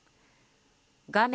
画面